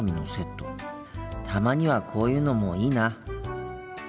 たまにはこういうのもいいな。